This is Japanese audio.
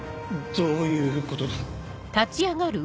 どういうことだ？